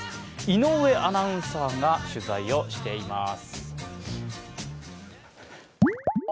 井上アナウンサーが取材をしています。